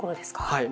はい。